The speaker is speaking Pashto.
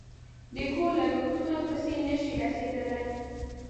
د کور لگښتونو پسې نشي رسېدلی